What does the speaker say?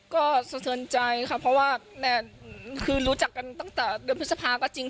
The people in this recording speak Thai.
ก็สะเทินใจค่ะเพราะว่าแม่คือรู้จักกันตั้งแต่เดือนพฤษภาก็จริง